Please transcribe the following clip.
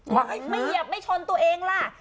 ไม่เหยียบไม่ชนตัวเองล่ะ